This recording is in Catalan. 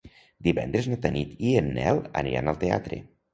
Divendres na Tanit i en Nel aniran al teatre.